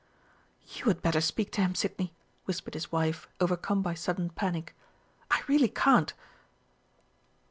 "You had better speak to him, Sidney," whispered his wife, overcome by sudden panic; "I really can't."